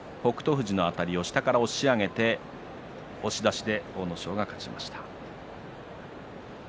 富士のあたりを下から押し上げて押し出しで阿武咲が勝ちました。